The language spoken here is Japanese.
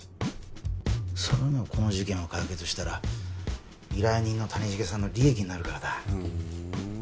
それはこの事件を解決したら依頼人の谷繁さんの利益になるからだふーん